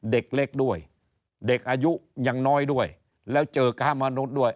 เด็กเล็กด้วยเด็กอายุยังน้อยด้วยแล้วเจอค่ามนุษย์ด้วย